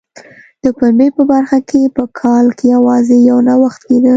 د پنبې په برخه کې په کال کې یوازې یو نوښت کېده.